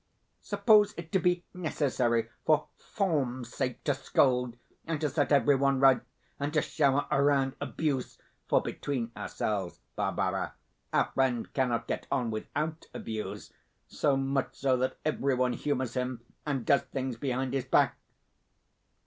Suppose it to be NECESSARY, for FORM'S sake, to scold, and to set everyone right, and to shower around abuse (for, between ourselves, Barbara, our friend cannot get on WITHOUT abuse so much so that every one humours him, and does things behind his back)?